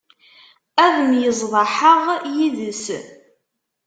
Ad myeẓḍaḥeɣ yid-s.